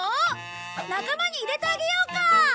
仲間に入れてあげようか？